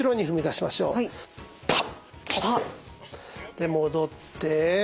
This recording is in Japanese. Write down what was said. で戻って。